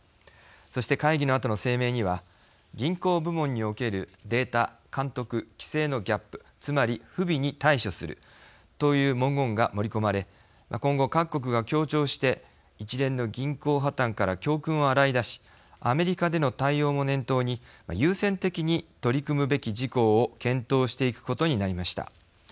そして、会議のあとの声明には銀行部門におけるデータ、監督規制のギャップつまり不備に対処するという文言が盛り込まれ今後、各国が協調して一連の銀行破綻から教訓を洗いだしアメリカでの対応も念頭に優先的に取り組むべき事項を検討していくことになりました。